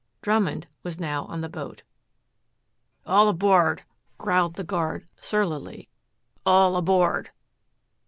Drummond was now on the boat. "All aboard," growled the guard surlily. "All aboard."